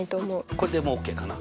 これでもうＯＫかな？